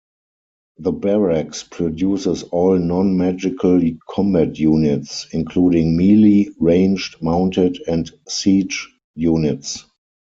The Barracks produces all non-magical combat units, including melee, ranged, mounted, and siege units.